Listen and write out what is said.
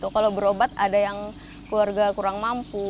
kalau berobat ada yang keluarga kurang mampu